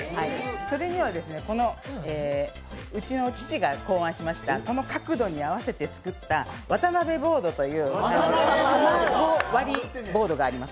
それにはこの、うちの父が考案した、この角度に合わせて作った渡邉ボードという卵割りボードがあります。